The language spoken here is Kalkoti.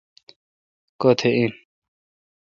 کتھ این۔